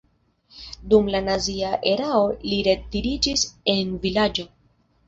Dum la nazia erao li retiriĝis en vilaĝo.